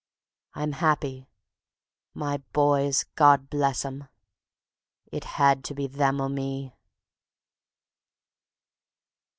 I'm happy. My Boys, God bless 'em! ... It had to be them or me.